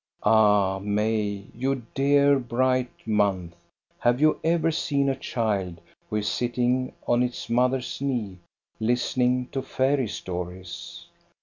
Ah, May, you dear, bright month, have you ever seen a child who is sitting on its mother's knee lis tening to fairy stories